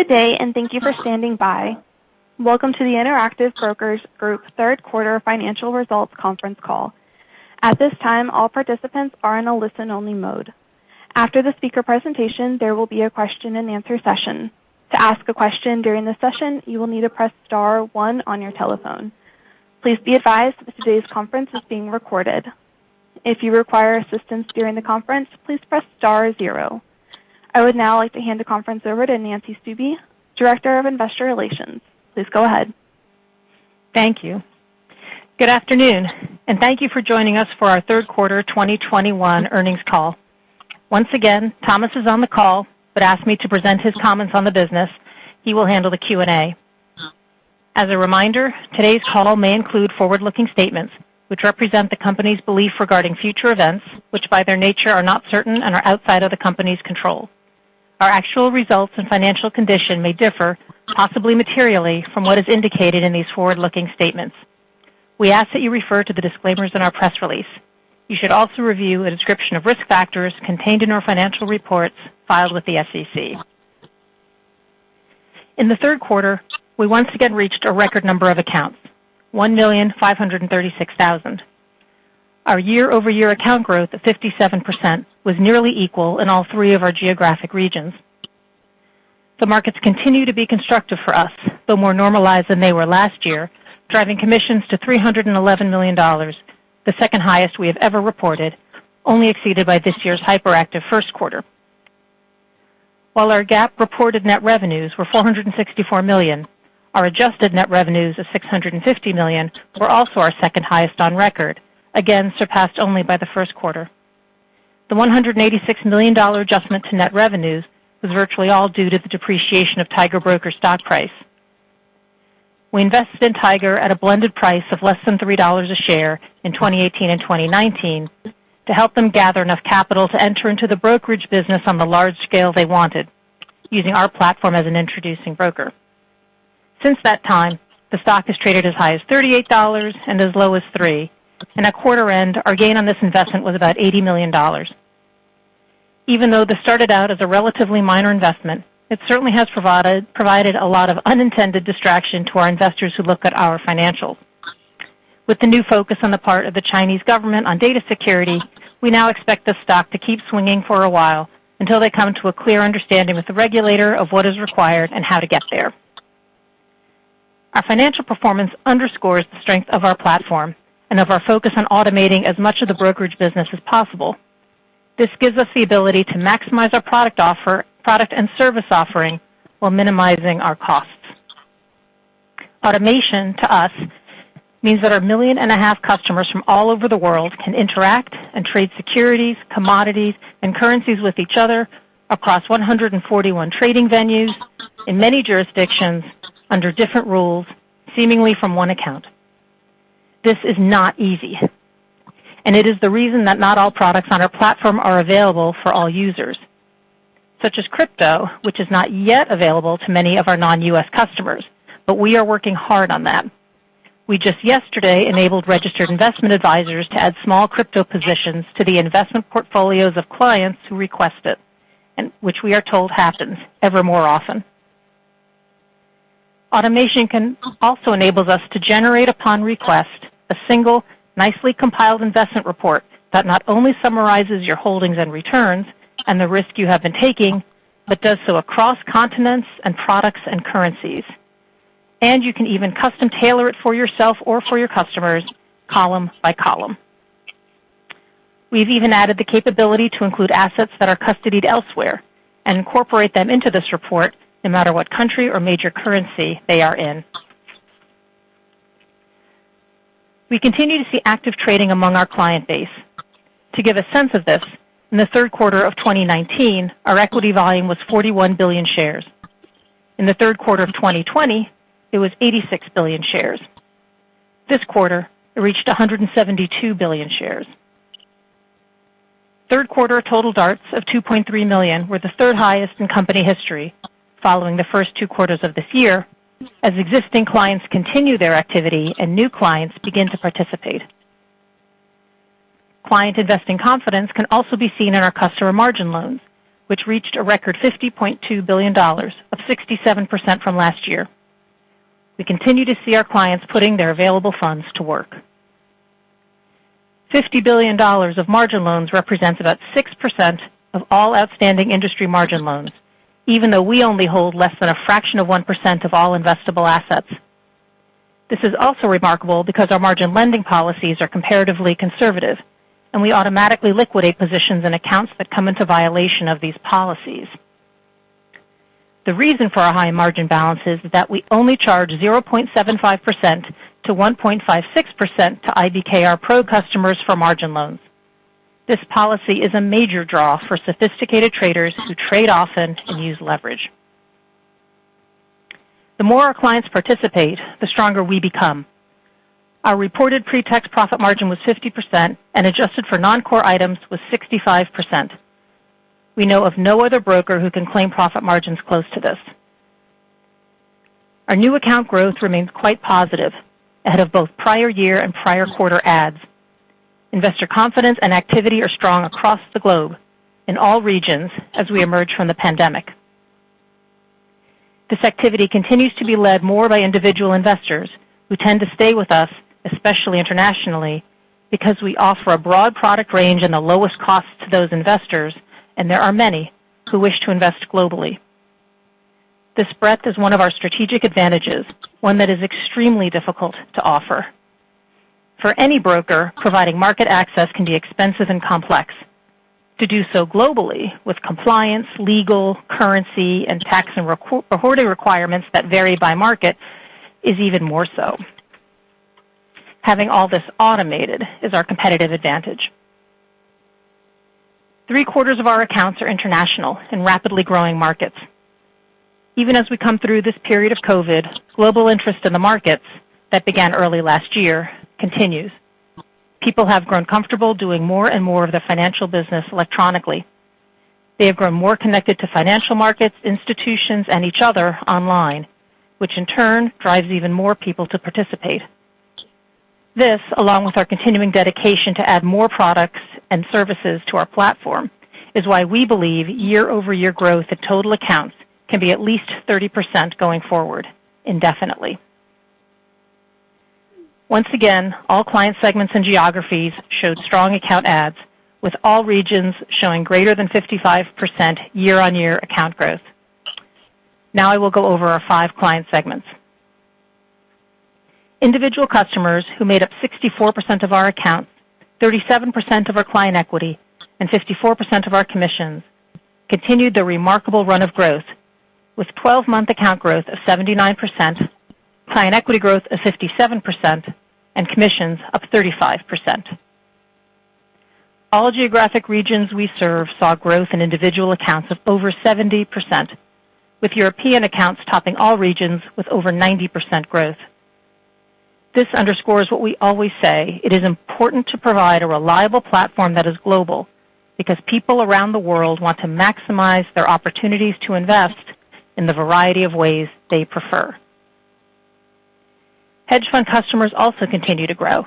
Good day, thank you for standing by. Welcome to the Interactive Brokers Group Third Quarter Financial Results Conference Call. At this time, all participants are in a listen-only mode. After the speaker presentation, there will be a question-and-answer session. To ask a question during the session, you will need to press star one on your telephone. Please be advised, that today's conference is being recorded. If you require assistance during the conference, please press star zero. I would now like to hand the conference over to Nancy Stuebe, Director of Investor Relations. Please go ahead. Thank you. Good afternoon, thank you for joining us for our Third Quarter 2021 Earnings Call. Once again, Thomas is on the call, but asked me to present his comments on the business. He will handle the Q&A. As a reminder, today's call may include forward-looking statements. Which represent the company's belief regarding future events. Which by their nature are not certain, and are outside of the company's control. Our actual results, and financial condition may differ. Possibly materially, from what is indicated in these forward-looking statements. We ask that you refer to the disclaimers in our press release. You should also review a description of risk factors, contained in our financial reports filed with the SEC. In the third quarter, we once again reached a record number of accounts, 1,536,000. Our year-over-year account growth of 57%, was nearly equal in all three of our geographic regions. The markets continue to be constructive for us. Though more normalized, than they were last year. Driving commissions to $311 million, the second highest we have ever reported. Only exceeded by this year's hyperactive first quarter. While our GAAP reported net revenues were $464 million. Our adjusted net revenues of $650 million, were also our second highest on record. Again, surpassed only by the first quarter. The $186 million adjustment to net revenues. Was virtually, all due to the depreciation of Tiger Brokers stock price. We invested in Tiger at a blended price, of less than $3 a share in 2018 and 2019. To help them gather enough capital, to enter into the brokerage business. On the large scale they wanted, using our platform as an introducing broker. Since that time, the stock has traded as high as $38, and as low as $3. And at quarter end, our gain on this investment was about $80 million. Even though this started out, as a relatively minor investment. It certainly, has provided a lot of unintended distraction. To our investors who look at our financials. With the new focus on the part of the Chinese government. On data security, we now expect this stock to keep swinging for a while. Until they come to a clear understanding with the regulator, of what is required and how to get there. Our financial performance underscores the strength of our platform. And of our focus on automating, as much of the brokerage business as possible. This gives us the ability to maximize our product, and service offering. While minimizing our costs. Automation, to us, means that our 1.5 million customers. From all over the world can interact, and trade securities, commodities. And currencies with each other across 141 trading venues. In many jurisdictions under different rules, seemingly from one account. This is not easy, and it is the reason. That not all products on our platform are available for all users. Such as crypto, which is not yet available to many of our non-U.S. customers. But we are working hard on that. We just yesterday enabled Registered Investment Advisors. To add small crypto positions, to the investment portfolios of clients who request it. And which we are told happens ever more often. Automation can also enable us to generate, upon request. A single, nicely compiled investment report. That not only summarizes your holdings, and returns. And the risk you have been taking, but does so across continents, and products and currencies. You can even custom tailor it for yourself, or for your customers column by column. We've even added the capability, to include assets that are custodied elsewhere. And incorporate them into this report, no matter what country or major currency they are in. We continue to see active trading among our client base. To give a sense of this, in the third quarter of 2019. Our equity volume was 41 billion shares. In the third quarter of 2020, it was 86 billion shares. This quarter, it reached 172 billion shares. Third quarter total DARTs of 2.3 million, were the third highest in company history. Following the first two quarters of this year. As existing clients continue their activity, and new clients begin to participate. Client investing confidence, can also be seen in our customer margin loans. Which reached a record $50.2 billion of 67% from last year. We continue to see our clients, putting their available funds to work. $50 billion of margin loans represents, about 6% of all outstanding industry margin loans. Even though we only hold less than a fraction of 1% of all investable assets. This is also remarkable, because our margin lending policies are comparatively conservative. And we automatically liquidate positions, and accounts that come into violation of these policies. The reason for our high margin balance is that, we only charge 0.75%-1.56%. To IBKR Pro customers for margin loans. This policy is a major draw for sophisticated traders. Who trade often, and use leverage. The more our clients participate, the stronger we become. Our reported pre-tax profit margin was 50%, and adjusted for non-core items was 65%. We know of no other broker, who can claim profit margins close to this. Our new account growth remains quite positive. Ahead of both prior year, and prior quarter adds. Investor confidence, and activity are strong across the globe. In all regions as we emerge from the pandemic. This activity continues, to be led more by individual investors. Who tend to stay with us, especially internationally. Because we offer a broad product range, and the lowest cost to those investors. And there are many who wish to invest globally. This breadth is one of our strategic advantages, one that is extremely difficult to offer. For any broker, providing market access can be expensive, and complex. To do so globally with compliance, legal, currency, and tax. And reporting requirements, that vary by market is even more so. Having all this automated is our competitive advantage. Three-quarters of our accounts are international in rapidly growing markets. Even as we come through this period of COVID. Global interest in the markets, that began early last year continues. People have grown comfortable doing more, and more of their financial business electronically. They have grown more connected to financial markets, institutions, and each other online. Which in turn drives even more people to participate. This, along with our continuing dedication to add more products, and services to our platform. Is why we believe year-over-year growth of total accounts. Can be at least 30% going forward indefinitely. Once again, all client segments, and geographies showed strong account adds. With all regions showing greater than 55% year-on-year account growth. Now I will go over our five client segments. Individual customers who made up 64% of our accounts, 37% of our client equity, and 54% of our commissions. Continued the remarkable run of growth with 12-month account growth of 79%. Client equity growth of 57%, and commissions up 35%. All geographic regions we serve, saw growth in individual accounts of over 70%. With European accounts topping all regions, with over 90% growth. This underscores, what we always say. It is important to provide a reliable platform that is global. Because people around the world want to maximize their opportunities. To invest in the variety of ways they prefer. Hedge fund customers also continue to grow.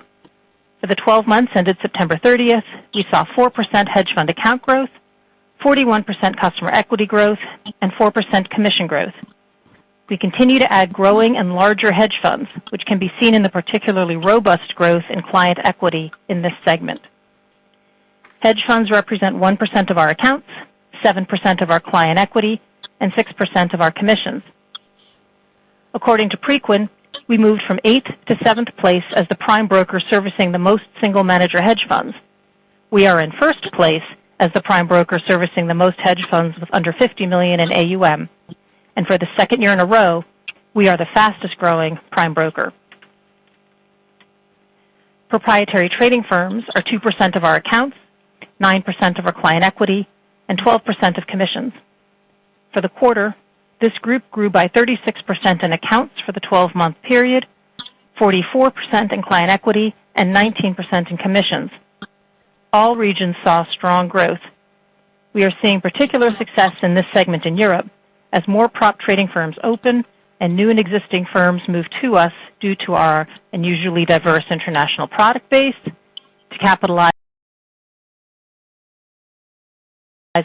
For the 12 months, ended September 30th. We saw 4% hedge fund account growth, 41% customer equity growth, and 4% commission growth. We continue to add growing, and larger hedge funds. Which can be seen in the particularly, robust growth in client equity in this segment. Hedge funds represent 1% of our accounts, 7% of our client equity, and 6% of our commissions. According to Preqin, we moved from eighth to seventh place. As the prime broker servicing the most single manager hedge funds. We are in first place as the prime broker servicing. The most hedge funds with under $50 million in AUM. For the second year in a row, we are the fastest-growing prime broker. Proprietary trading firms are 2% of our accounts. 9% of our client equity, and 12% of commissions. For the quarter, this group grew by 36% in accounts. For the 12-month period, 44% in client equity, and 19% in commissions. All regions saw strong growth. We are seeing particular success in this segment in Europe. As more prop trading firms open, and new, and existing firms move to us. Due to our unusually, diverse international product base. To capitalize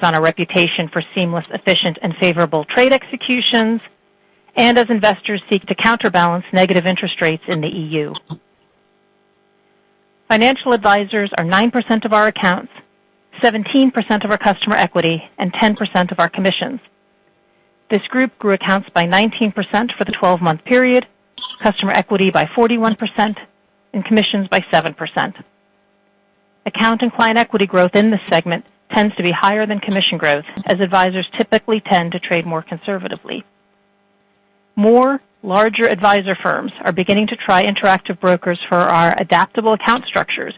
on a reputation for seamless, efficient, and favorable trade executions. And as investors seek to counterbalance negative interest rates in the EU. Financial advisors are 9% of our accounts. 17% of our customer equity, and 10% of our commissions. This group grew accounts by 19% for the 12-month period. Customer equity by 41%, and commissions by 7%. Account and client equity growth in this segment, tends to be higher than commission growth. As advisors typically, tend to trade more conservatively. More larger advisor firms, are beginning to try Interactive Brokers for our adaptable account structures.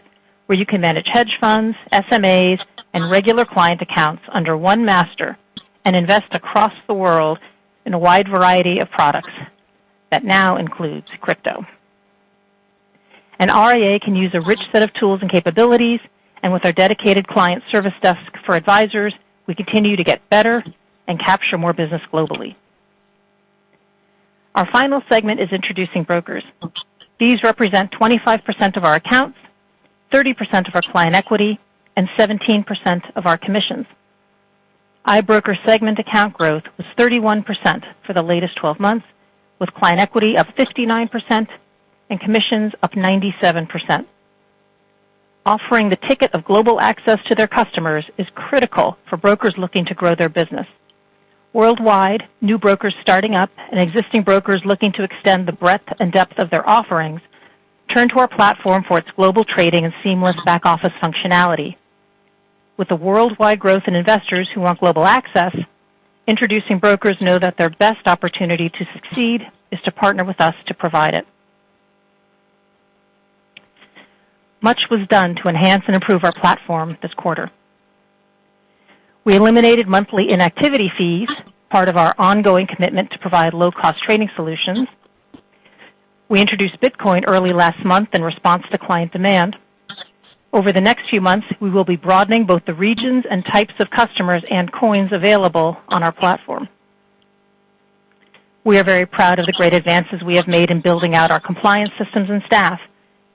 Where you can manage hedge funds, SMAs, and regular client accounts under one master. And invest across the world in a wide variety of products. That now includes crypto. RIA can use a rich set of tools, and capabilities. With our dedicated client service desk for advisors. We continue to get better, and capture more business globally. Our final segment is introducing brokers. These represent 25% of our accounts, 30% of our client equity, and 17% of our commissions. IBKR segment account growth was 31% for the latest 12 months. With client equity up 59%, and commissions up 97%. Offering the ticket of global access to their customers. Is critical for brokers looking to grow their business. Worldwide, new brokers starting up, and existing brokers looking to extend. The breadth, and depth of their offerings. Turn to our platform for its global trading, and seamless back-office functionality. With the worldwide growth in investors who want global access. Introducing brokers know that their best opportunity to succeed, is to partner with us to provide it. Much was done to enhance, and improve our platform this quarter. We eliminated monthly inactivity fees. Part of our ongoing commitment, to provide low-cost trading solutions. We introduced Bitcoin early last month, in response to client demand. Over the next few months, we will be broadening both the regions. And types of customers, and coins available on our platform. We are very proud of the great advances we have made. In building out our compliance systems, and staff.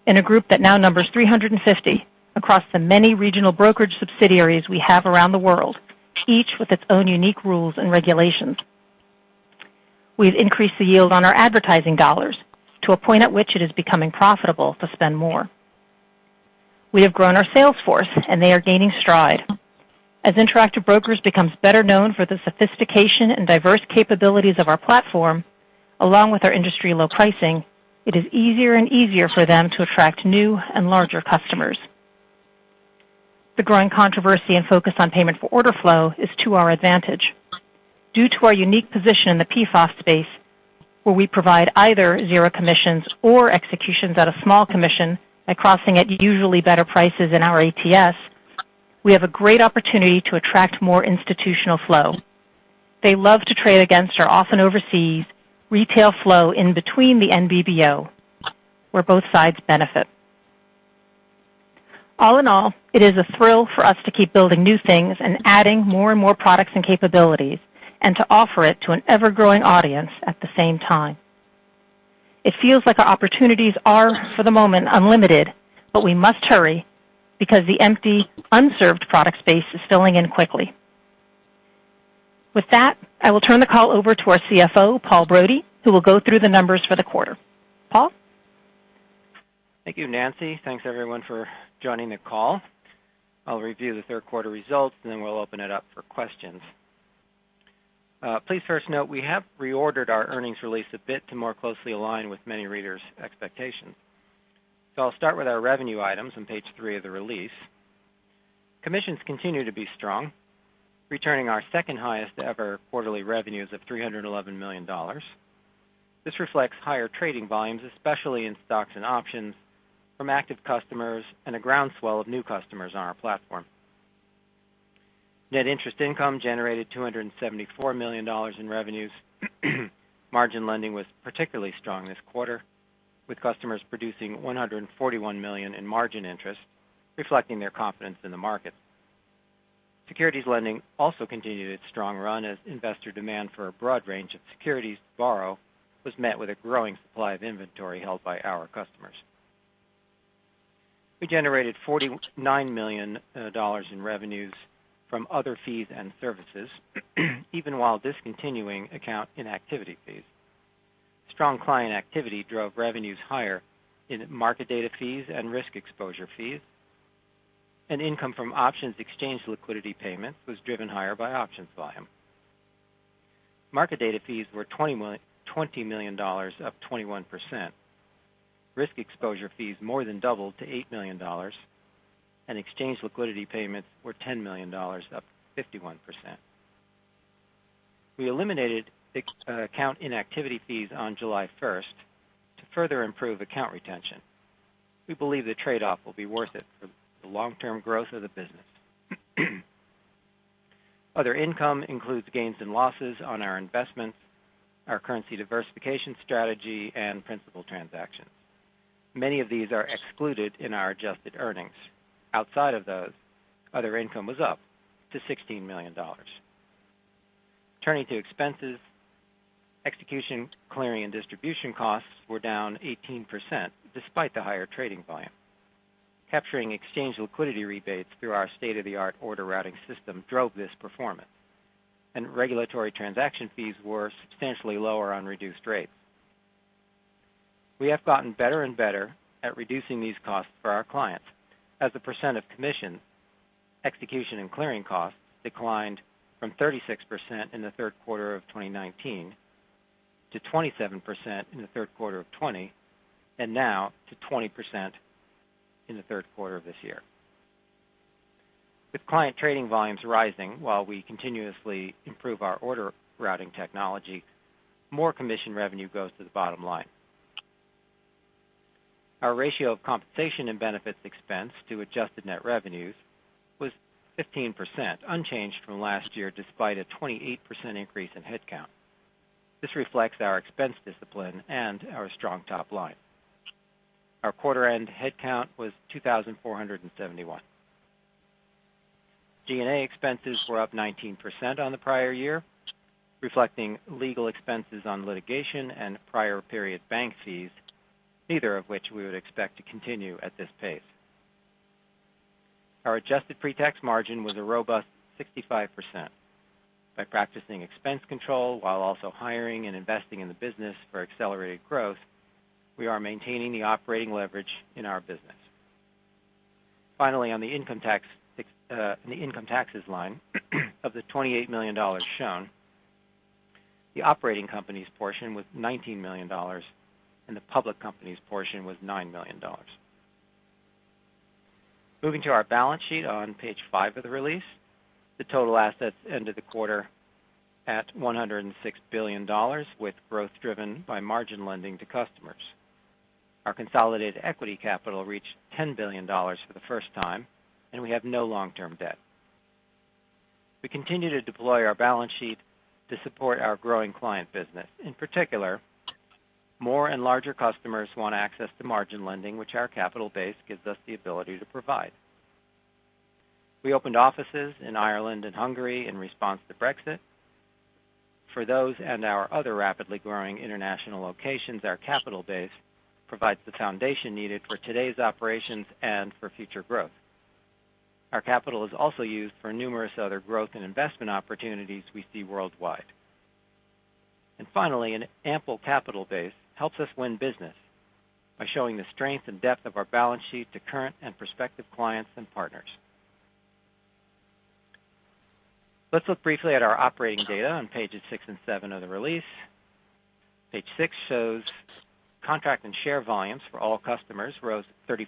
In a group that now numbers 350, across the many regional brokerage subsidiaries we have around the world. Each with its own unique rules, and regulations. We've increased the yield on our advertising dollars. To a point, at which it is becoming profitable to spend more. We have grown our sales force, and they are gaining stride. As Interactive Brokers, becomes better known for the sophistication. And diverse capabilities of our platform, along with our industry-low pricing. It is easier, and easier for them to attract new, and larger customers. The growing controversy, and focus on payment for order flow is to our advantage. Due to our unique position in the PFOF space. Where we provide either, zero commissions or executions at a small commission. By crossing at usually better prices in our ATS. We have a great opportunity, to attract more institutional flow. They love to trade against our often overseas retail flow. In between the NBBO, where both sides benefit. All in all, it is a thrill for us to keep building new things. And adding more, and more products and capabilities. And to offer it to an ever-growing audience at the same time. It feels like our opportunities are, for the moment, unlimited. But we must hurry because the empty, unserved product space is filling in quickly. With that, I will turn the call over to our CFO, Paul Brody. Who will go through the numbers for the quarter. Paul? Thank you, Nancy. Thanks, everyone, for joining the call. I'll review the third quarter results, and then we'll open it up for questions. Please first note, we have reordered our earnings release a bit. To more closely align with many readers' expectations. I'll start with our revenue items on page three of the release. Commissions continue to be strong. Returning our second highest ever quarterly revenues of $311 million. This reflects higher trading volumes, especially in stocks and options. From active customers, and a groundswell of new customers on our platform. Net interest income generated $274 million in revenues. Margin lending was particularly strong this quarter. With customers producing $141 million in margin interest, reflecting their confidence in the market. Securities lending also continued its strong run. As investor demand for a broad range of securities to borrow. Was met with a growing supply of inventory held by our customers. We generated $49 million in revenues from other fees, and services. Even while discontinuing account inactivity fees. Strong client activity drove revenues higher. In market data fees, and risk exposure fees. Income from options exchange liquidity payments. Was driven higher by options volume. Market data fees were $20 million, up 21%. Risk exposure fees more than doubled to $8 million. And exchange liquidity payments were $10 million, up 51%. We eliminated account inactivity fees on July 1st, to further improve account retention. We believe the trade-off, will be worth it for the long-term growth of the business. Other income includes gains, and losses on our investments. Our currency diversification strategy, and principal transactions. Many of these are excluded in our adjusted earnings. Outside of those, other income was up to $16 million. Turning to expenses, execution, clearing, and distribution costs. Were down 18%, despite the higher trading volume. Capturing exchange liquidity rebates, through our state-of-the-art order routing system drove this performance. And regulatory transaction fees, were substantially lower on reduced rates. We have gotten better, and better at reducing these costs for our clients as a percent of commissions. Execution, and clearing costs declined from 36% in the third quarter of 2019. To 27% in the third quarter of 2020, and now to 20% in the third quarter of this year. With client trading volumes rising, while we continuously improve our order routing technology. More commission revenue goes to the bottom line. Our ratio of compensation, and benefits expense to adjusted net revenues. Was 15%, unchanged from last year, despite a 28% increase in head count. This reflects our expense discipline, and our strong top line. Our quarter-end head count was 2,471. G&A expenses were up 19% on the prior year. Reflecting legal expenses on litigation, and prior period bank fees. Neither of which we would expect to continue at this pace. Our adjusted pre-tax margin was a robust 65%. By practicing expense control while also hiring, and investing in the business for accelerated growth. We are maintaining the operating leverage in our business. On the income taxes line, of the $28 million shown. The operating company's portion was $19 million, and the public company's portion was $9 million. Moving to our balance sheet on page five of the release. The total assets ended the quarter at $106 billion. With growth driven by margin lending to customers. Our consolidated equity capital reached, $10 billion for the first time. We have no long-term debt. We continue to deploy our balance sheet, to support our growing client business. In particular, more and larger customers want access to margin lending. Which our capital base gives us the ability to provide. We opened offices in Ireland, and Hungary in response to Brexit. For those, and our other rapidly growing international locations. Our capital base provides the foundation needed for today's operations, and for future growth. Our capital is also used for numerous other growth, and investment opportunities we see worldwide. Finally, an ample capital base helps us win business. By showing the strength, and depth of our balance sheet. To current, and prospective clients, and partners. Let's look briefly, at our operating data on pages six and seven of the release. Page six shows contract, and share volumes for all customers. Rose 34%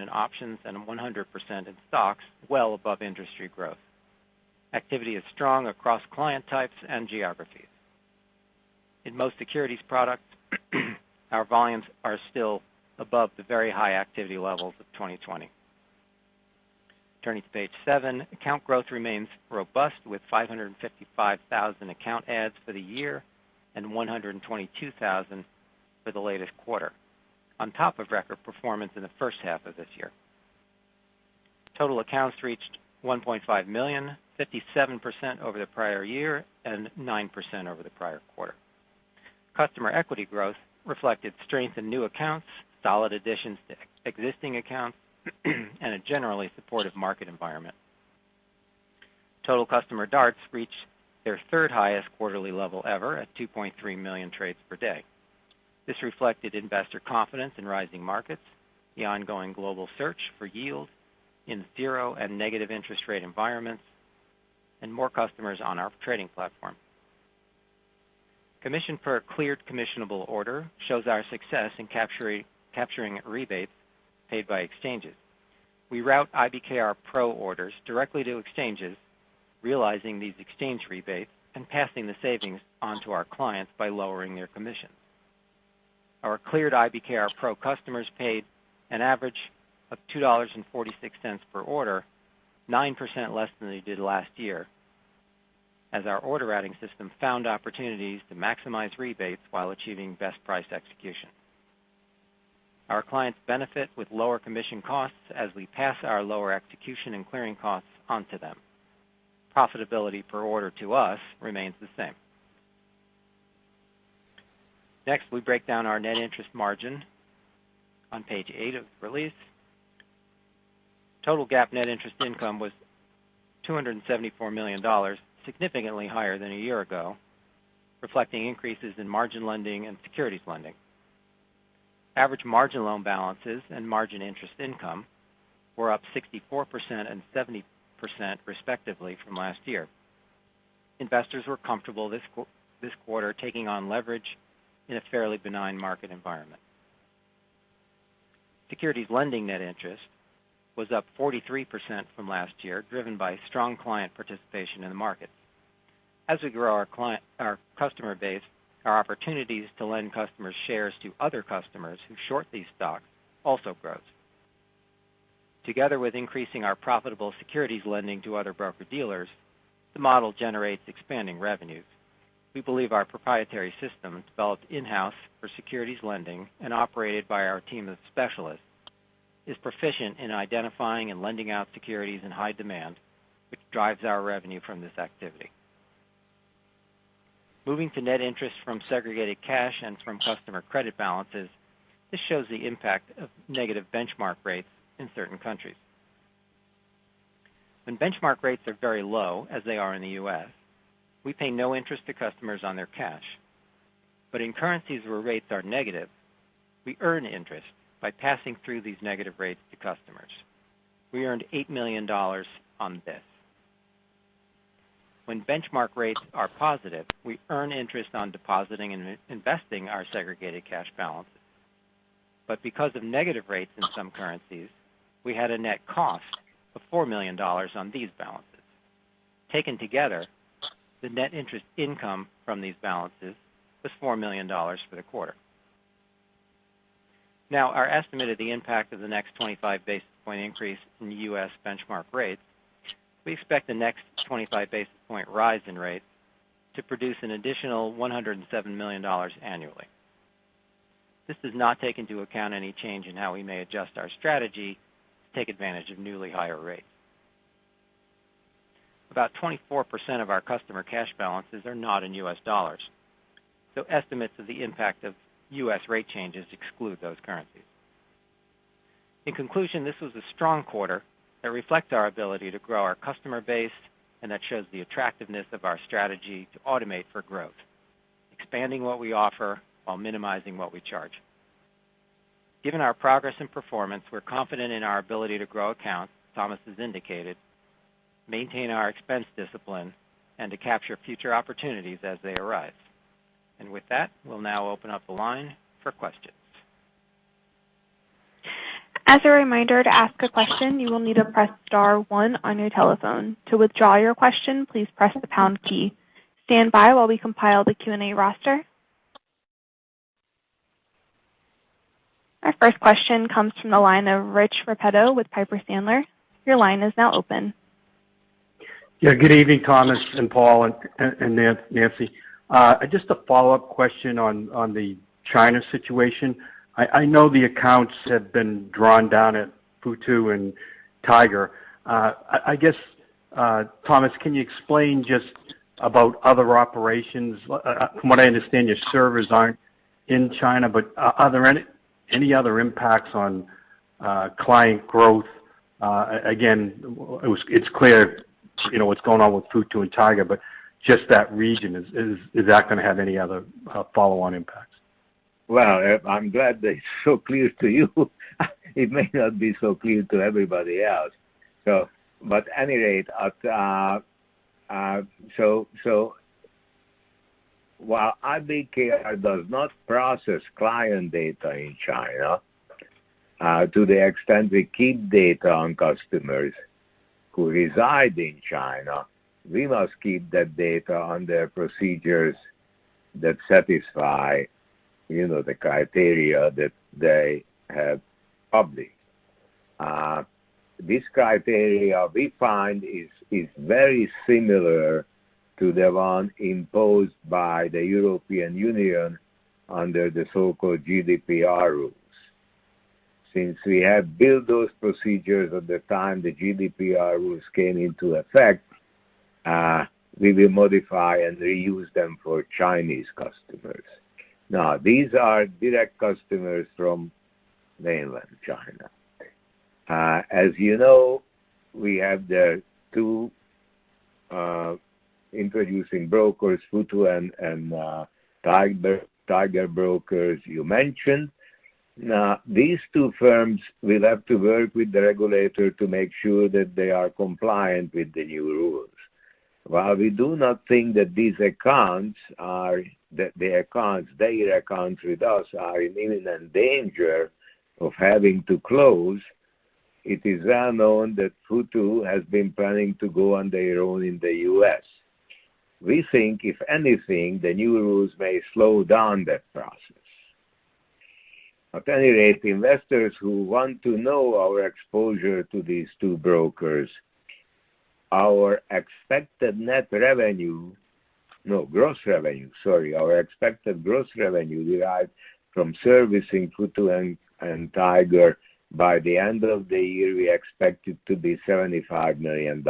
in options, and 100% in stocks, well above industry growth. Activity is strong across client types, and geographies. In most securities products, our volumes are still above. The very high activity levels of 2020. Turning to page seven, account growth remains robust. With 555,000 account adds for the year, and 122,000 for the latest quarter. On top of record performance in the first half of this year. Total accounts reached 1.5 million, 57% over the prior year. And 9% over the prior quarter. Customer equity growth, reflected strength in new accounts. Solid additions to existing accounts, and a generally supportive market environment. Total customer DARTs reached, their third highest quarterly level ever at 2.3 million trades per day. This reflected investor confidence in rising markets. The ongoing global search for yield. In zero, and negative interest rate environments. And more customers on our trading platform. Commission per cleared commissionable order, shows our success in capturing rebates paid by exchanges. We route IBKR Pro orders directly to exchanges. Realizing these exchange rebates, and passing the savings. Onto our clients by lowering their commissions. Our cleared IBKR Pro customers paid, an average of $2.46 per order 9% less than they did last year. As our order routing system, found opportunities to maximize rebates. While achieving best price execution. Our clients benefit with lower commission costs. As we pass our lower execution, and clearing costs onto them. Profitability per order to us remains the same. Next, we break down our net interest margin, on page eight of the release. Total GAAP net interest income was $274 million, significantly higher than a year ago. Reflecting increases in margin lending, and securities lending. Average margin loan balances, and margin interest income. Were up 64% and 70%, respectively, from last year. Investors were comfortable this quarter taking on leverage. In a fairly benign market environment. Securities lending net interest, was up 43% from last year. Driven by strong client participation in the market. As we grow our customer base, our opportunities to lend customer shares. To other customers, who short these stocks also grows. Together with increasing our profitable securities lending to other broker-dealers. The model generates expanding revenues. We believe our proprietary system, developed in-house for securities lending. And operated by our team of specialists. Is proficient in identifying, and lending out securities in high demand. Which drives our revenue from this activity. Moving to net interest from segregated cash, and from customer credit balances. This shows the impact, of negative benchmark rates in certain countries. When benchmark rates are very low, as they are in the U.S. We pay no interest to customers on their cash. In currencies where rates are negative, we earn interest. By passing through these negative rates to customers. We earned $8 million on this. When benchmark rates are positive? We earn interest on depositing, and investing our segregated cash balances. Because of negative rates in some currencies. We had a net cost of $4 million on these balances. Taken together, the net interest income from these balances, was $4 million for the quarter. Now our estimate of the impact of the next 25 basis point. Increase in the U.S. benchmark rates, we expect the next 25 basis point rise in rates. To produce an additional $107 million annually. This does not take into account any change in, how we may adjust our strategy. To take advantage of newly higher rates. About 24% of our customer cash balances are not in U.S. dollars. So, estimates of the impact of U.S. rate changes exclude those currencies. In conclusion, this was a strong quarter. That reflects our ability to grow our customer base, and that shows the attractiveness of our strategy. To automate for growth, expanding what we offer. While minimizing what we charge. Given our progress, and performance. We're confident in our ability to grow accounts, Thomas has indicated. Maintain our expense discipline, and to capture future opportunities as they arise. With that, we'll now open up the line for questions. As a reminder, to ask a question you will need to press star one on your telephone. To withdraw your question please press pound key. Stand by while we compile the Q&A roster. Our first question, comes from the line of Rich Repetto with Piper Sandler. Your line is now open. Good evening, Thomas, and Paul, and Nancy. Just a follow-up question on the China situation. I know the accounts have been drawn down at Futu, and Tiger. Thomas, can you explain just about other operations? From what I understand, your servers aren't in China. But are there any other impacts on client growth? Again, it's clear what's going on with Futu, and Tiger? But just that region, is that going to have any other follow-on impacts? Well, I'm glad that it's so clear to you. It may not be so clear to everybody else. But anyway, while IBKR does not process client data in China. To the extent we keep data on customers, who reside in China. We must keep that data under procedures, that satisfy the criteria. That they have published. This criteria we find is very similar to the one imposed. By the European Union under the so-called GDPR rules. Since we have built those procedures, at the time the GDPR rules came into effect. We will modify and reuse them for Chinese customers. These are direct customers from mainland China. As you know, we have the two introducing brokers. Futu and Tiger Brokers, you mentioned. These two firms will have to work with the regulator. To make sure that they are compliant with the new rules. While we do not think that their accounts with us. Are in imminent danger of having to close. It is well-known, that Futu has been planning to go on their own in the U.S. We think, if anything, the new rules may slow down that process. Anyway, investors who want to know our exposure. To these two brokers, our expected net revenue. No, gross revenue, sorry. Our expected gross revenue derived from servicing Futu, and Tiger. By the end of the year, we expect it to be $75 million.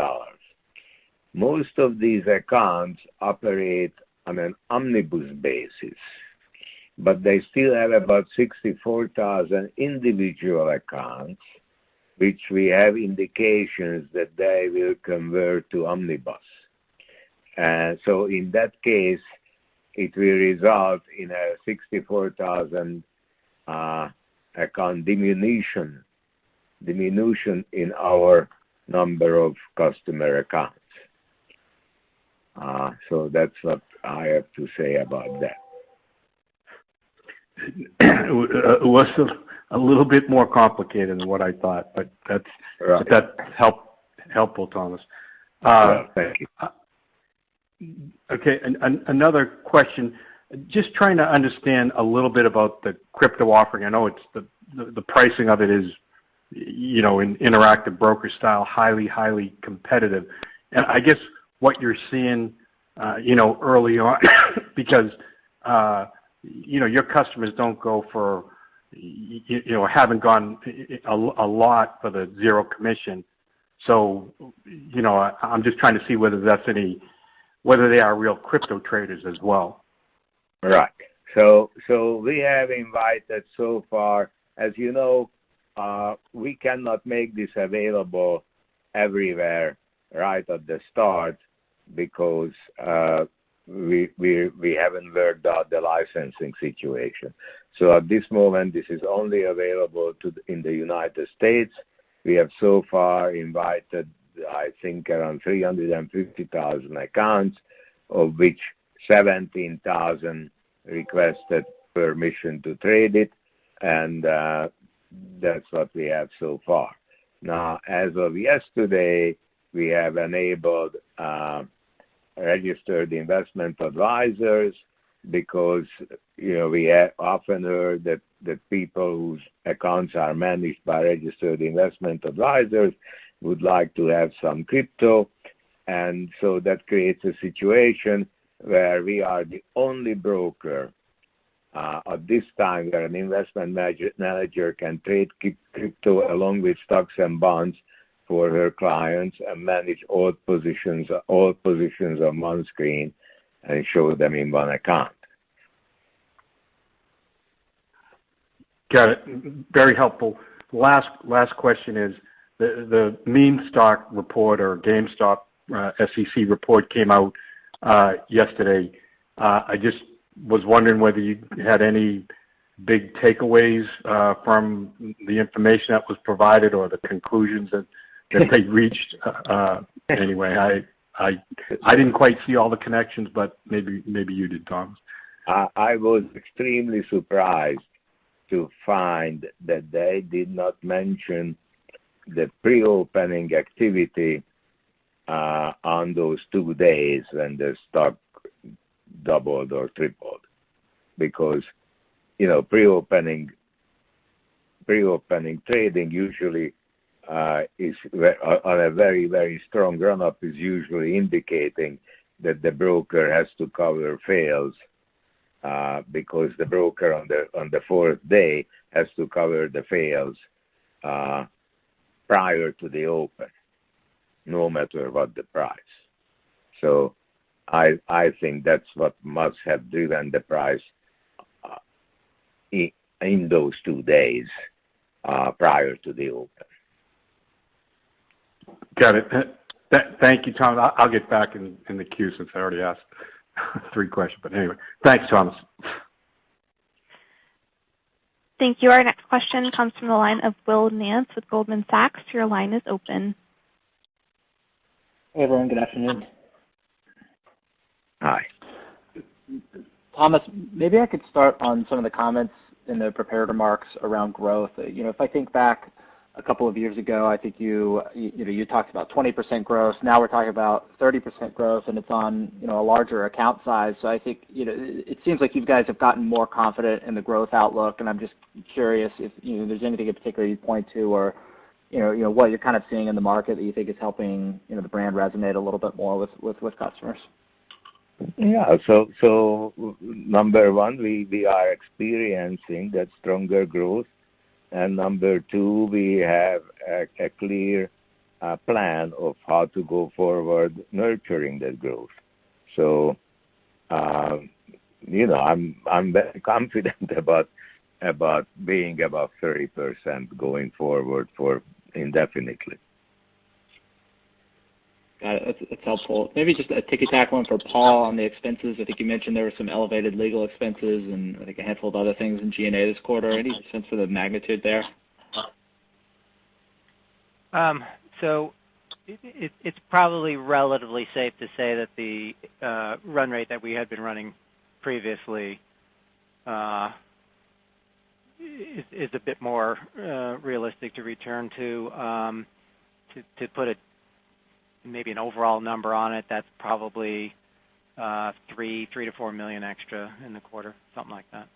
Most of these accounts operate on an omnibus basis. But they still have about 64,000 individual accounts. Which we have indications, that they will convert to omnibus. So in that case, it will result in a 64,000 account diminution, in our number of customer accounts. That's what I have to say about that. It was a little bit more complicated than what I thought. Right. Helpful, Thomas. Well, thank you. Okay, another question. Just trying to understand, a little bit about the crypto offering. I know the pricing of it is, in Interactive Brokers style, highly competitive. I guess what you're seeing, early on. Because your customers don't go for, or haven't gone a lot for the zero commission. I'm just trying to see, whether they are real crypto traders as well. Right. We have invited so far, as you know. We cannot make this available everywhere right at the start. Because, we haven't worked out the licensing situation. At this moment, this is only available in the United States. We have so far invited, I think, around 350,000 accounts. Of which 17,000 requested permission to trade it. That's what we have so far. Now, as of yesterday, we have enabled Registered Investment Advisors. Because we often heard, that people's accounts are managed by Registered Investment Advisors. Would like to have some crypto. That creates a situation, where we are the only broker, at this time. Where an investment manager can trade crypto along with stocks, and bonds. For her clients, and manage all positions. On one screen, and show them in one account. Got it. Very helpful. Last question is, the meme stock report or GameStop SEC report came out yesterday. I just was wondering whether you had any big takeaways from the information. That was provided or the conclusions that they reached. Anyway, I didn't quite see all the connections, but maybe you did, Thomas. I was extremely surprised, to find that they did not mention. The pre-opening activity on those two days, when the stock doubled or tripled. Because, pre-opening trading usually on a very, very strong run-up. Is usually indicating, that the broker has to cover fails. Because the broker on the fourth day, has to cover the fails. Prior to the open, no matter what the price. I think that's what must have driven the price, in those two days prior to the open. Got it. Thank you, Thomas. I'll get back in the queue, since I already asked three questions, but anyway. Thanks, Thomas. Thank you. Our next question, comes from the line of Will Nance with Goldman Sachs. Your line is open. Hey, everyone. Good afternoon. Hi. Thomas, maybe I could start on some of the comments, in the prepared remarks around growth. If I think back a couple of years ago. I think, you talked about 20% growth. Now we're talking about 30% growth, and it's on a larger account size. I think, it seems like you guys have gotten more confident in the growth outlook. And I'm just curious if there's anything in particular, you'd point to or. What your kind of seeing in the market, that you think is helping? The brand resonate a little bit more with customers. Yeah. number one, we are experiencing that stronger growth. And number two, we have a clear plan, of how to go forward nurturing that growth? I'm very confident about being, above 30% going forward for indefinitely. Got it. That's helpful. Maybe just a tic-tac one, for Paul on the expenses. I think you mentioned, there were some elevated legal expenses. And I think, a handful of other things in G&A this quarter. Any sense of the magnitude there? It's probably, relatively safe to say that the run rate. That we had been running previously, is a bit more realistic to return to. To put maybe an overall number on it. That's probably, $3 million-$4 million extra in the quarter, something like that.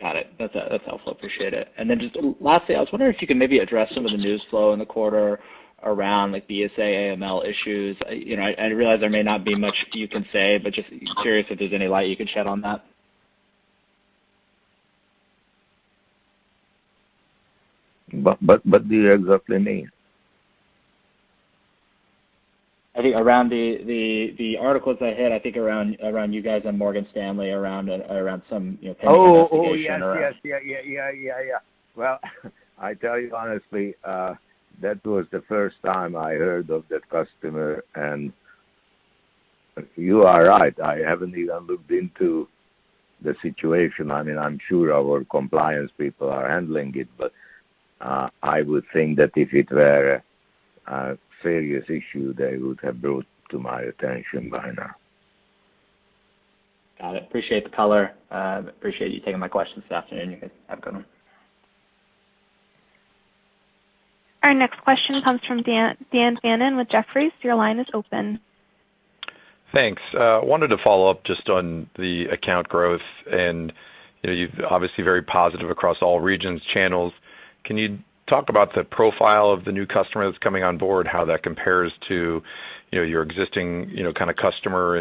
Got it. That's helpful, appreciate it. Then just lastly, I was wondering. If you could maybe address, some of the news flow in the quarter around, like BSA/AML issues. I realize there may not be much you can say, just curious if there's any light you can shed on that? What do you exactly mean? I think around the articles I had. I think around you guys, and Morgan Stanley. Oh, yes. Yeah. Well, I tell you honestly, that was the first time I heard of that customer. You are right. I haven't even looked into the situation. I mean, I'm sure our compliance people are handling it. I would think, that if it were a serious issue. They would have brought it, to my attention by now. Got it. Appreciate the color. Appreciate you taking my questions this afternoon. You guys have a good one. Our next question, comes from Dan Fannon with Jefferies. Your line is open. Thanks. Wanted to follow up just on the account growth, and you're obviously very positive across all regions, channels. Can you talk about, the profile of the new customer that's coming on board. How that compares to your existing customer?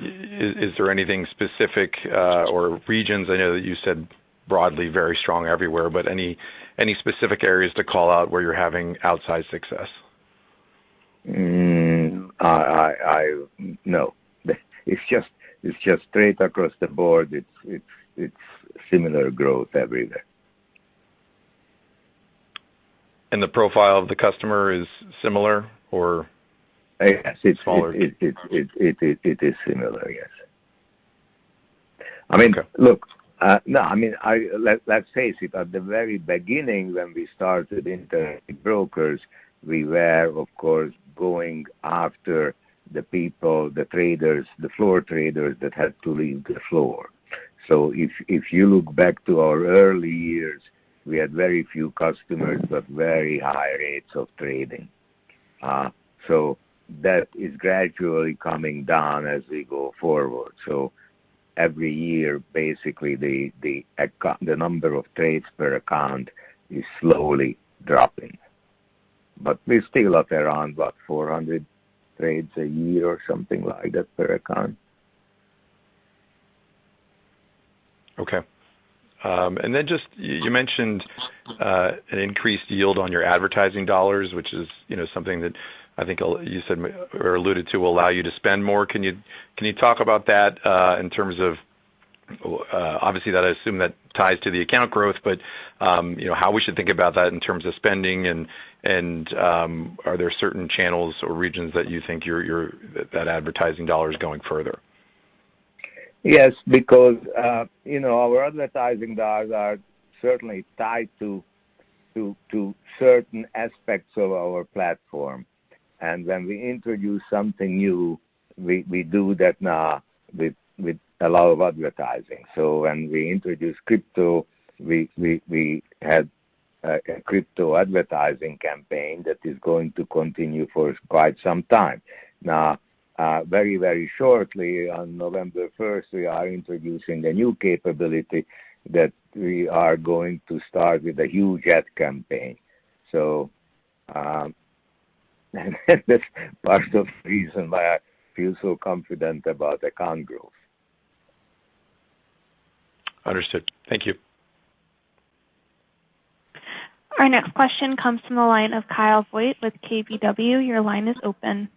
Is there anything specific or regions? I know, that you said broadly very strong everywhere. But any specific areas to call out, where you're having outsized success? No. It's just straight across the board. It's similar growth everywhere. The profile of the customer is similar or smaller? It is similar, yes. Okay. I mean, look. Let's face it. At the very beginning, when we started Interactive Brokers. We were, of course, going after the people, the traders. The floor traders, that had to leave the floor. If you look back to our early years. We had very few customers, but very high rates of trading. That is gradually coming down as we go forward. Every year, basically, the number of trades per account is slowly dropping. We're still up around about 400 trades a year, or something like that per account. Okay. Just you mentioned, an increased yield on your advertising dollars. Which is something that I think you said or alluded, to will allow you to spend more? Can you talk about that? In terms of obviously, I assume that ties to the account growth. But how we should think about that in terms of spending? And are there certain channels or regions, that you think that advertising dollar is going further? Yes, because our advertising dollars are certainly tied, to certain aspects of our platform. When we introduce something new, we do that now with a lot of advertising. When we introduced crypto, we had a crypto advertising campaign. That is going to continue for quite some time now. Very shortly, on November first, we are introducing a new capability. That we are going to start with a huge ad campaign. That's part of the reason, why I feel so confident about account growth. Understood. Thank you. Our next question, comes from the line of Kyle Voigt with KBW. Your line is open.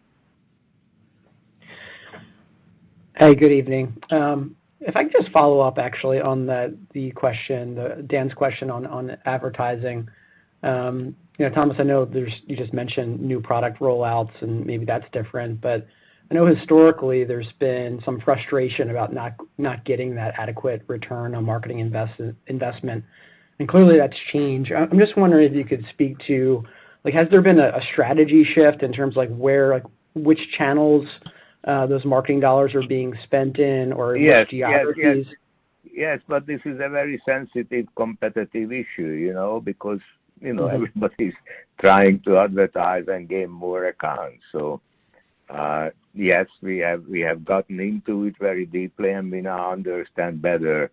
Hey, good evening. If I can just follow up actually, on Dan's question on advertising. Thomas, I know you just mentioned new product rollouts, and maybe that's different. But I know historically, there's been some frustration. About not getting that adequate return on marketing investment, and clearly that's changed. I'm just wondering if you could speak to, has there been a strategy shift? In terms of where, which channels those marketing dollars are being spent in? Yes. New geographies. Yes. This is a very sensitive, competitive issue, you know. Because everybody's trying to advertise, and gain more accounts. Yes, we have gotten into it very deeply, and we now understand better.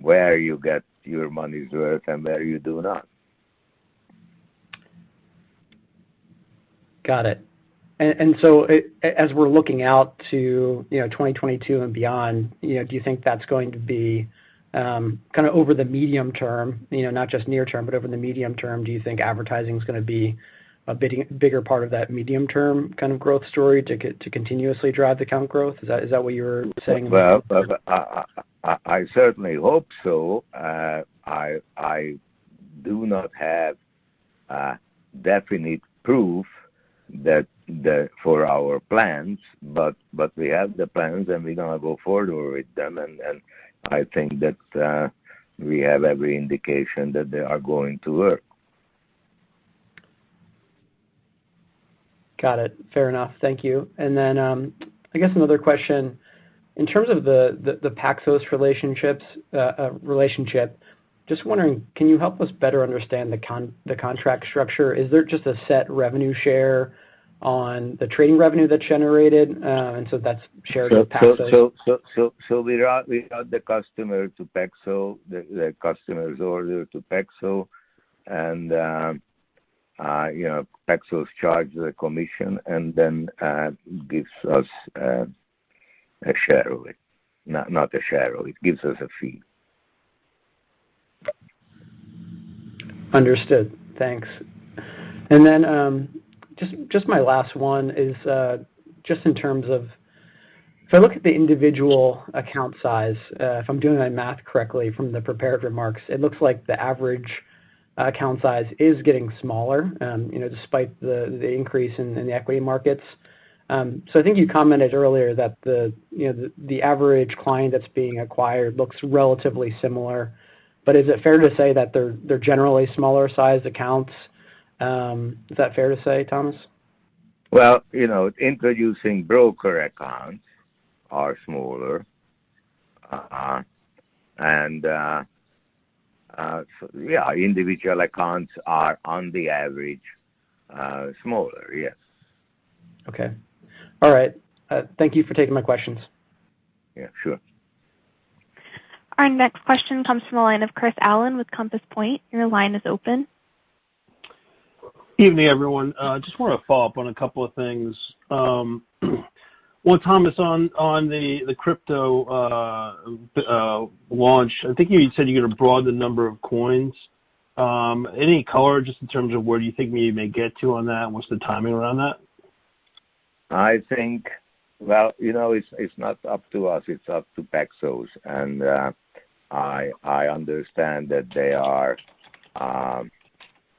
Where you get your money's worth, and where you do not? Got it. As we're looking out to 2022, and beyond. Do you think, that's going to be over the medium term? Not just near term, but over the medium term. Do you think advertising's going to be, a bigger part of that medium-term? Kind of growth story, to continuously drive the account growth. Is that what you're saying? Well, I certainly hope so. I do not have definite proof for our plans. But we have the plans, and we're going to go forward with them. And I think, that we have every indication that they are going to work. Got it. Fair enough. Thank you. I guess another question, in terms of the Paxos relationship. Just wondering, can you help us better understand the contract structure? Is there just a set revenue share, on the trading revenue that's generated? That's shared with Paxos. We route the customer to Paxos, the customer's order to Paxos. And Paxos charge the commission, and then gives us a share of it. Not a share of it, gives us a fee. Understood. Thanks. Just my last one is, just in terms of if I look at the individual account size. If I'm doing my math correctly, from the prepared remarks. It looks like the average account size is getting smaller, despite the increase in the equity markets. I think you commented earlier, that the average client that's being acquired looks relatively similar. But is it fair to say, that they're generally smaller-sized accounts? Is that fair to say, Thomas? Well, introducing broker accounts are smaller. Yeah, individual accounts are, on the average, smaller, yes. Okay, all right. Thank you for taking my questions. Yeah, sure. Our next question, comes from the line of Chris Allen with Compass Point. Your line is open. Evening, everyone. Just want to follow up on a couple of things. Well, Thomas, on the crypto launch. I think, you said you're going to broaden the number of coins. Any color just in terms of, where you think you may get to on that? And what's the timing around that? I think Well, it's not up to us, it's up to Paxos. I understand that they are,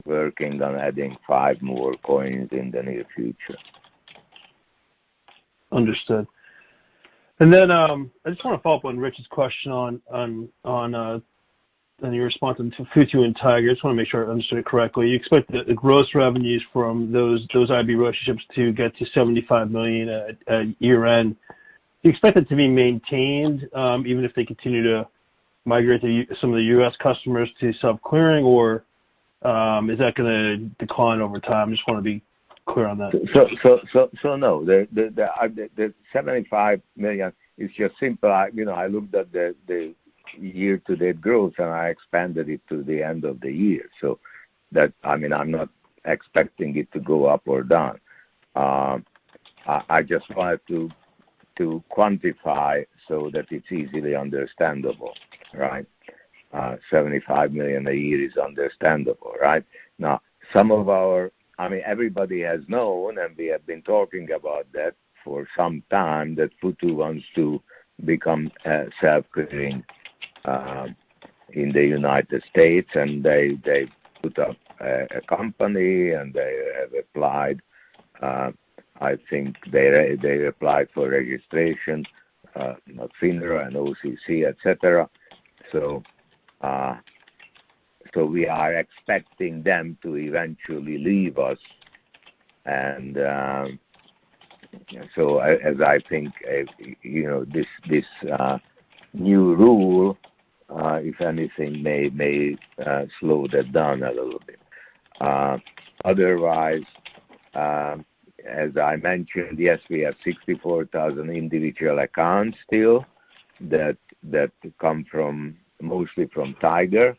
working on adding five more coins in the near future. Understood. I just want to follow up on Rich's question, on your response on Futu and Tiger. I just want to make sure, I understood it correctly. You expect the gross revenues from those IB relationships, to get to $75 million at year-end. Do you expect that to be maintained? Even if they continue, to migrate some of the U.S. customers to self-clearing. Or is that going to decline over time? Just want to be clear on that. No. The $75 million is just simple. I looked at the year-to-date growth, and I expanded it to the end of the year. So, I'm not expecting it to go up or down. I just tried to quantify, so that it's easily understandable, right? $75 million a year is understandable, right? Now, everybody has known, and we have been talking about that. For some time that Futu wants to, become self-clearing in the United States. They put up a company, and they have applied. I think they applied for registration, FINRA and OCC, et cetera. So, we are expecting them to eventually leave us. As I think, this new rule, if anything, may slow that down a little bit. Otherwise, as I mentioned, yes, we have 64,000 individual accounts still. That come mostly from Tiger.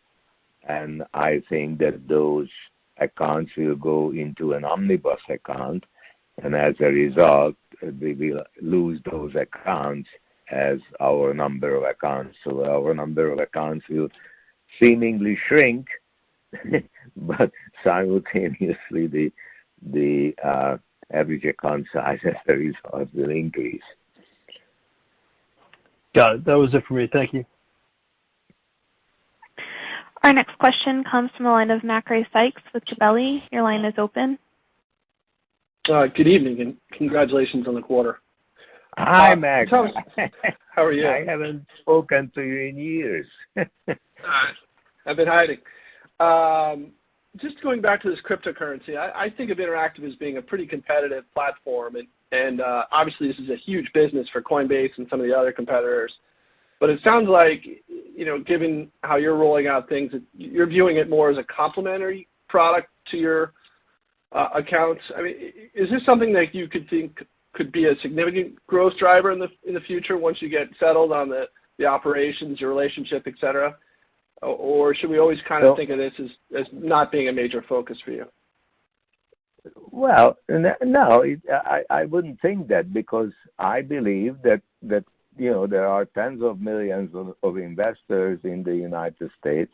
I think, that those accounts will go into an omnibus account. And as a result, we will lose those accounts as our number of accounts. Our number of accounts will seemingly shrink. But simultaneously, the average account size as a result will increase. Got it. That was it for me. Thank you. Our next question, comes from the line of Macrae Sykes with Gabelli. Your line is open. Good evening, and congratulations on the quarter. Hi, Mac. How are you? I haven't spoken to you in years. I've been hiding. Going back to this cryptocurrency, I think of Interactive as being a pretty competitive platform. Obviously, this is a huge business for Coinbase, and some of the other competitors. It sounds like, given how you're rolling out things. You're viewing it more, as a complementary product to your accounts. Is this something that you could think, could be a significant growth driver in the future? Once you get settled on the operations, your relationship, et cetera. Should we always think of this, as not being a major focus for you? Well, no, I wouldn't think that, because I believe. That there are 10s of millions of investors in the United States.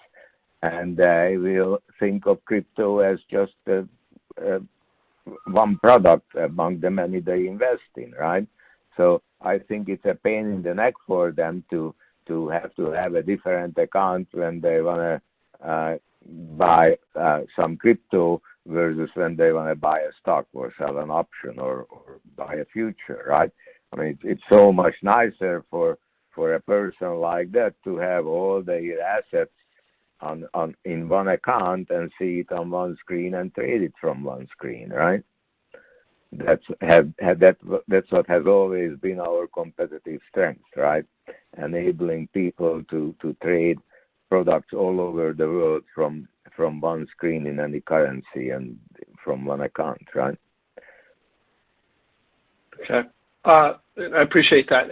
And they will think of crypto as just one product, among the many they invest in, right? I think it's a pain in the neck for them, to have to have a different account. When they want to buy some crypto, versus when they want to buy a stock. Or sell an option or buy a future, right? It's so much nicer for a person like that, to have all the assets. In one account, and see it on one screen. And trade it from one screen, right? That's what has always been our competitive strength, right? Enabling people to trade products all over the world. From one screen in any currency, and from one account, right? Okay. I appreciate that.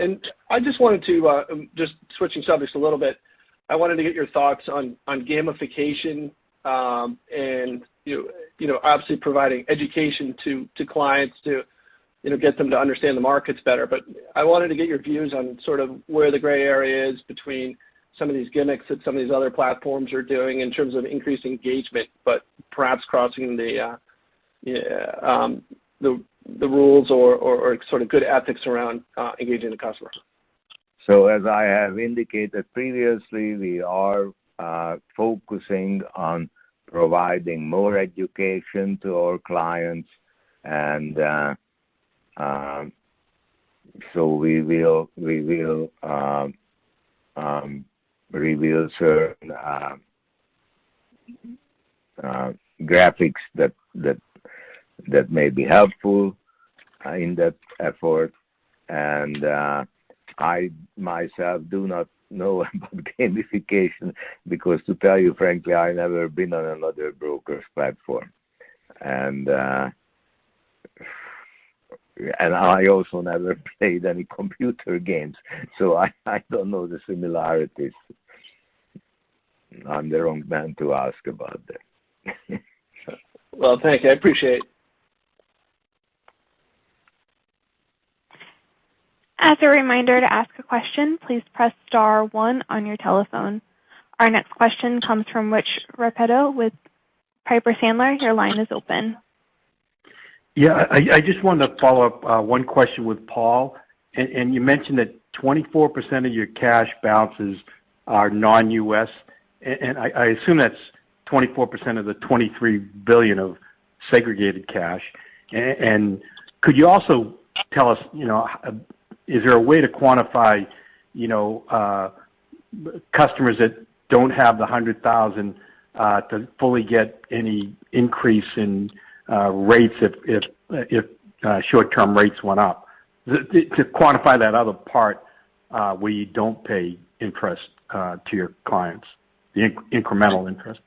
Just switching subjects a little bit, I wanted to get your thoughts on gamification. And obviously, providing education to clients to get them to understand the markets better. I wanted to get your views on sort of, where the gray area is? Between some of these gimmicks, that some of these other platforms are doing? In terms of increasing engagement, but perhaps crossing the rules. Or sort of good ethics around engaging the customer. As I have indicated previously, we are focusing on providing more education to our clients. We will reveal certain graphics, that may be helpful in that effort. I, myself, do not know about gamification. Because to tell you frankly, I've never been on another broker's platform. I also never played any computer games. So, I don't know the similarities. I'm the wrong man to ask about that. Well, thank you. I appreciate it. As a reminder to ask a question, please press star one on your telephone. Our next question, comes from Rich Repetto with Piper Sandler. Your line is open. Yeah, I just wanted to follow up one question with Paul. You mentioned that 24% of your cash balances are non-U.S. And I assume that's 24% of the $23 billion of segregated cash. Could you also tell us? Is there a way to quantify customers that don't have the 100,000, to fully get any increase in rates if short-term rates went up? To quantify that other part, where you don't pay interest to your clients, the incremental interest?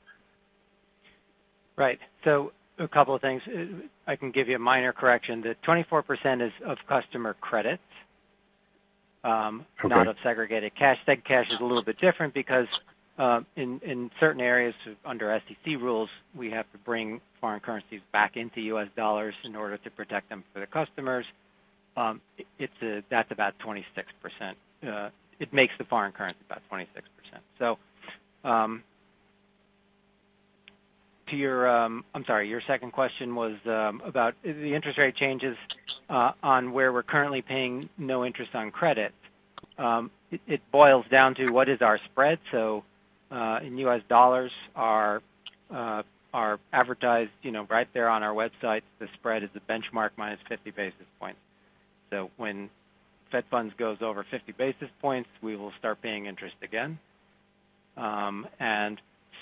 Right. A couple of things. I can give you a minor correction that 24% is of customer credits. Okay. Not of segregated cash. Segregated cash is a little bit different, because in certain areas under SEC rules. We have to bring foreign currencies back into U.S. dollars. In order to protect them for the customers. That's about 26%. It makes the foreign currency about 26%. I'm sorry, your second question was about the interest rate changes. On where we're currently paying no interest on credit? It boils down to what is our spread? In U.S. dollars, our advertised right there on our website. The spread is the benchmark -50 basis points. When Fed Funds goes over 50 basis points, we will start paying interest again?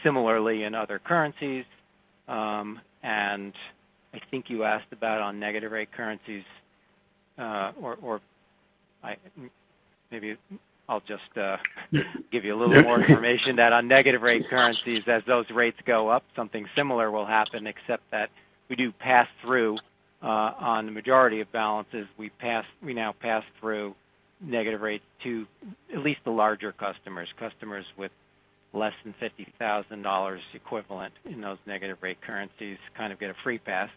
Similarly in other currencies, I think you asked about on negative rate currencies. Or maybe I'll just give you a little more information, that on negative rate currencies. As those rates go up, something similar will happen. Except that we do pass through on the majority of balances. We now pass through negative rates, to at least the larger customers. Customers with less than $50,000 equivalent, in those negative rate currencies kind of get a free pass.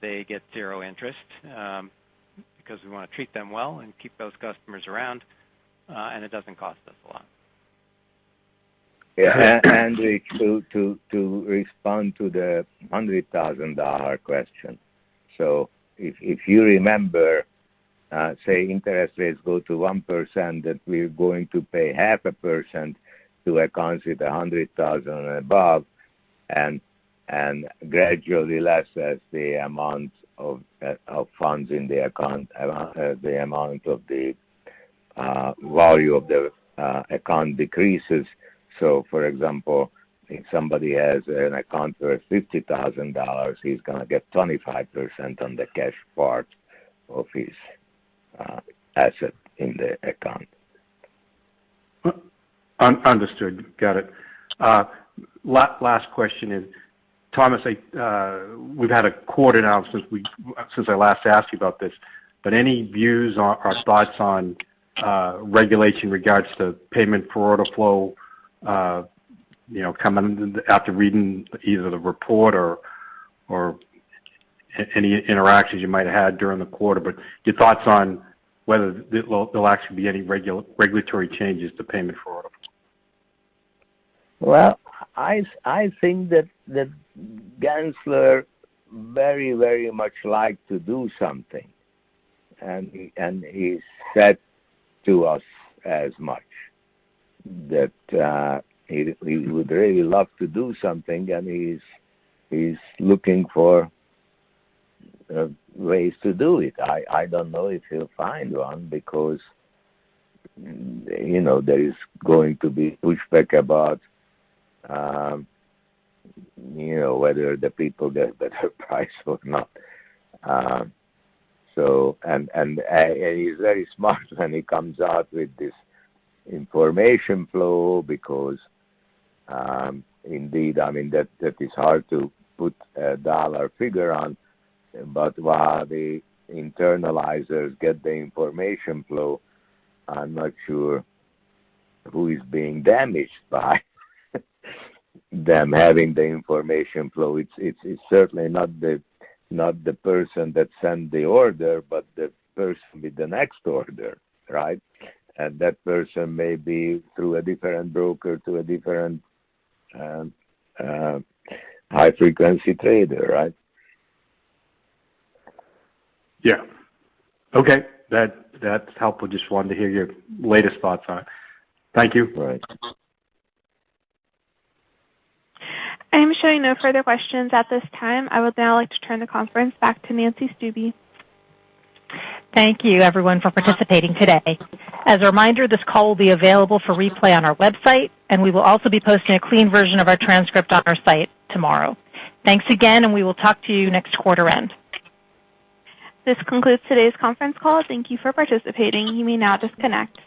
They get zero interest, because we want to treat them well. And keep those customers around, and it doesn't cost us a lot. Yeah. To respond to the $100,000 question. If you remember, say interest rates go to 1%. That we're going to pay half a percent, to accounts with $100,000 and above. And gradually, less as the amount of value of the account decreases. For example, if somebody has an account worth $50,000. He's going to get 25% on the cash part, of his asset in the account. Understood, got it. Last question is, Thomas, any views or thoughts on regulation. Regards to payment for order flow, after reading either the report or any interactions. You might have had during the quarter. Your thoughts on whether there'll actually, be any regulatory changes to payment for order flow. Well, I think that Gensler very much like to do something. He said to us as much. That he would really love to do something, and he's looking for ways to do it. I don't know if he'll find one, because there is going to be pushback about. Whether the people get a better price or not. He's very smart, when he comes out with this information flow. Because indeed, that is hard to put a dollar figure on. While the internalizers get the information flow. I'm not sure, who is being damaged by? Them having the information flow. It's certainly, not the person that sent the order. But the person with the next order, right? That person may be through a different broker, to a different high-frequency trader, right? Yeah. Okay, that's helpful. Just wanted to hear your latest thoughts on it. Thank you. All right. I'm showing no further questions at this time. I would now like to turn the conference back to Nancy Stuebe. Thank you everyone for participating today. As a reminder, this call will be available for replay on our website. And we will also be posting, a clean version of our transcript on our site tomorrow. Thanks again, and we will talk to you next quarter end. This concludes today's conference call. Thank you for participating. You may now disconnect.